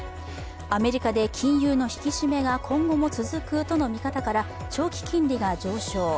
アメリカで金融の引き締めが、今後も続くとの見方から長期金利が上昇。